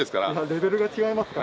レベルが違いますから。